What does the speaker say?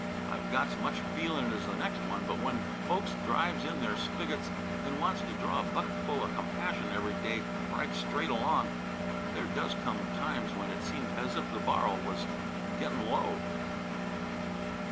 I've got 's much feelin' as the next one, but when folks drives in their spiggits and wants to draw a bucketful o' compassion every day right straight along, there does come times when it seems as if the bar'l was getting low."